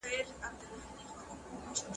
د کلي په لاره کې د چنارونو لاندې مسافر ناست وو.